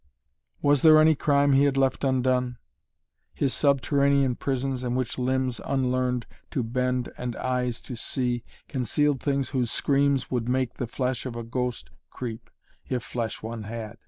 Was there any crime he had left undone? His subterranean prisons in which limbs unlearned to bend and eyes to see concealed things whose screams would make the flesh of a ghost creep, if flesh one had.